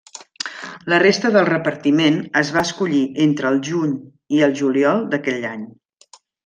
La resta del repartiment es va escollir entre el juny i el juliol d'aquell any.